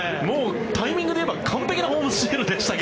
タイミングでいえば完璧なホームスチールでしたが。